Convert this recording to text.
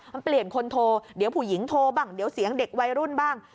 มันเปลี่ยนคนโทรเดี๋ยวผู้หญิงโทรบ้างเดี๋ยวเสียงเด็กวัยรุ่นบ้าง